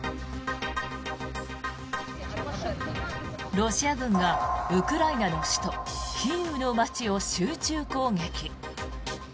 ロシア軍がウクライナの首都キーウの街を集中攻撃。